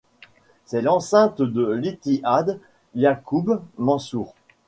C'est l'enceinte de l'Ittihad Yacoub Mansour.